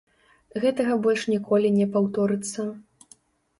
Гэтага больш ніколі не паўторыцца.